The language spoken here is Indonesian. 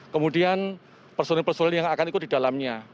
kemudian personel personel yang akan ikut di dalamnya